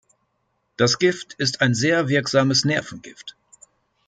Das Gift ist ein sehr wirksames Nervengift.